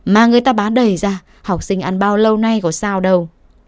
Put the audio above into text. mà người ta bán đầy ra học sinh ăn bao lâu nay có sao đâu